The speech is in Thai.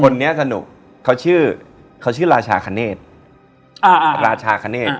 คนเนี้ยสนุกเขาชื่อเขาชื่อราชาคเนสอ่าอ่าราชาคเนสอ่า